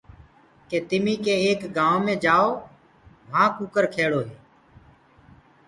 ڪي تمي ڪي ايڪ گآئوُنٚ مي جآئو وهآنٚ ڪٚڪر کيڙو هي۔